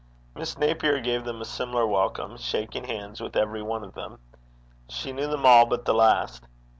Miss Napier gave them a similar welcome, shaking hands with every one of them. She knew them all but the last.